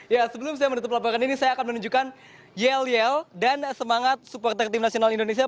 ya sebelum saya menutup laporan ini saya akan menunjukkan yel yel dan semangat supporter tim nasional indonesia